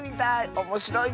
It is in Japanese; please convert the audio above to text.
おもしろいね。